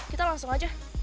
kita langsung aja